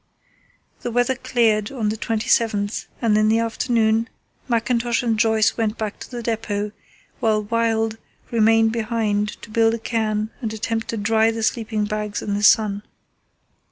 The weather cleared on the 27th, and in the afternoon Mackintosh and Joyce went back to the depot, while Wild remained behind to build a cairn and attempt to dry the sleeping bags in the sun.